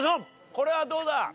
これはどうだ？